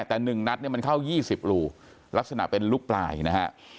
แต่๑นัดเนี่ยมันเข้า๒๐รูลักษณะเป็นลูกปลายนะฮะ